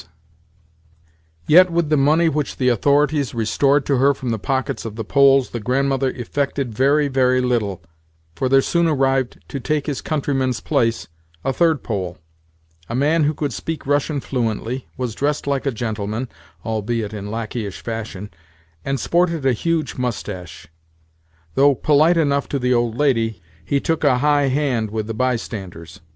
Rascal Yet with the money which the authorities restored to her from the pockets of the Poles the Grandmother effected very, very little, for there soon arrived to take his countrymen's place, a third Pole—a man who could speak Russian fluently, was dressed like a gentleman (albeit in lacqueyish fashion), and sported a huge moustache. Though polite enough to the old lady, he took a high hand with the bystanders.